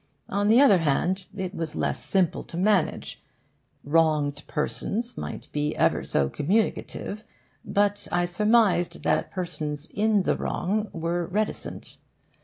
On the other hand, it was less simple to manage. Wronged persons might be ever so communicative, but I surmised that persons in the wrong were reticent.